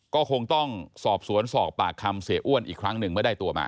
ก็คงต้องสอบสวนสอบปากคำเสียอ้วนอีกครั้งหนึ่งเมื่อได้ตัวมา